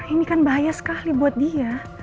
ini kan bahaya sekali buat dia